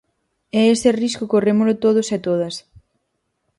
E ese risco corrémolo todos e todas.